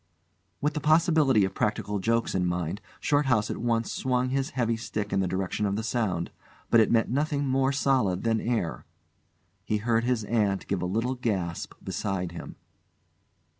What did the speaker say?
With the possibility of practical jokes in his mind, Shorthouse at once swung his heavy stick in the direction of the sound; but it met nothing more solid than air. He heard his aunt give a little gasp beside him.